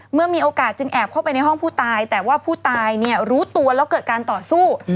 เมื่อมีโอกาสจึงแอบเข้าไปในห้องผู้ตายแต่ว่าผู้ตายเนี่ยรู้ตัวแล้วเกิดการต่อสู้